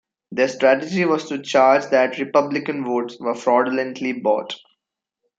Their strategy was to charge that Republican votes were fraudulently bought.